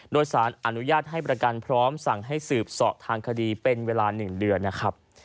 โดยสารอนุญาตให้ประกันพร้อมสั่งให้สืบเสาะทางคดีเป็นเวลา๑เดือนนะครับ